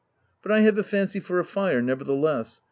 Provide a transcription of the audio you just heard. " But I have a fancy for a fire, nevertheless.